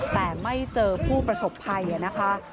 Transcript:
แต่ไม่เจอผู้ประสบภัยนะคะ